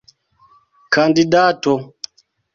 kandidato